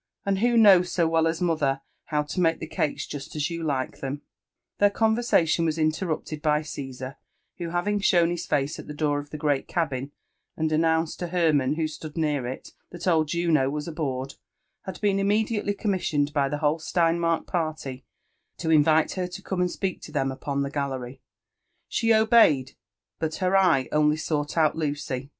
— and who knows so well as mother bow to make the cakeg juat as you like them Y* Their conversation wag leterrupted by Caogar, who having ghown his face at the door of the great cabin, and anoouaced to Hermann, who stood near it, that old Juno was aboard, had been immediately ^on^ missioned by the whole Steinmark party to ioivite her to eome and H^eak to them upon the gallery. She obeyed, but her eye ODly aeught out Lucy.